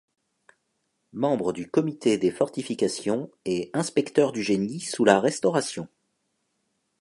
Membre du Comité des fortifications et inspecteur du génie sous la Restauration.